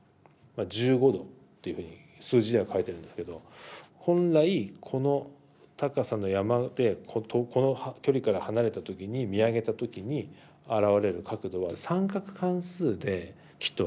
１５°っていうふうに数字では書いてるんですけど本来この高さの山でこの距離から離れた時に見上げた時にあらわれる角度は三角関数できっと分かるぞと。